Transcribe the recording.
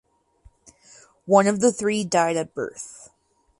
One of the three died at birth.